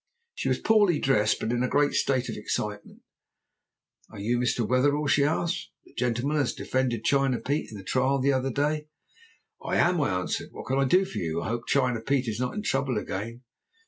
She was poorly dressed, but in a great state of excitement. "'Are you Mr. Wetherell?' she said; 'the gentleman as defended China Pete in the trial the other day?' "'I am,' I answered. 'What can I do for you? I hope China Pete is not in trouble again?'